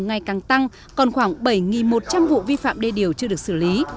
ngày càng tăng còn khoảng bảy một trăm linh vụ vi phạm đê điều chưa được xử lý